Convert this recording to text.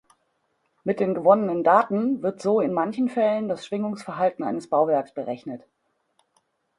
Mit den gewonnenen Daten wird so in manchen Fällen das Schwingungsverhalten eines Bauwerks berechnet.